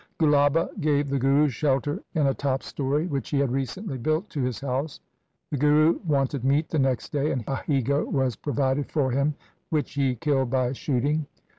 Gulaba gave the Guru shelter in a top story which he had recently built to his house. The Guru wanted meat the next day, and a he goat was pro vided for him which he killed by shooting.